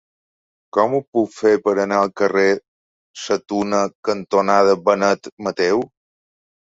Com ho puc fer per anar al carrer Sa Tuna cantonada Benet Mateu?